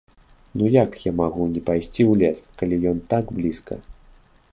Ну як я магу не пайсці ў лес, калі ён так блізка?